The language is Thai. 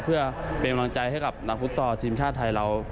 เพื่อเป็นรังใจให้กับฟุตสอร์ทีมชาติไทยเรา